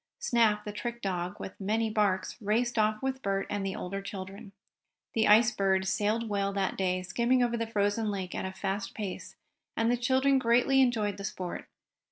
Snap, the trick dog, with many barks, raced off with Bert and the older children. The Ice Bird sailed well that day, skimming over the frozen lake at a fast pace, and the children greatly enjoyed the sport.